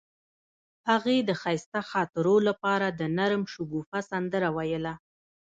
هغې د ښایسته خاطرو لپاره د نرم شګوفه سندره ویله.